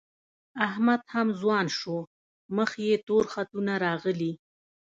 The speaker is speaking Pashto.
احمد هم ځوان شو، مخ یې تور خطونه راغلي